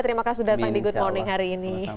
terima kasih sudah datang di good morning hari ini